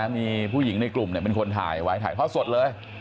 มีผู้หญิงในกลุ่มเป็นคนถ่ายไว้ถ่ายทอดสดเลย